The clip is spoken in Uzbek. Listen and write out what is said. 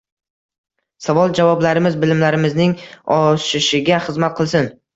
Savol-javoblarimiz bilimlarimizning oshishiga xizmat qilsin